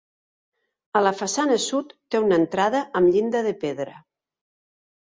A la façana sud té una entrada amb llinda de pedra.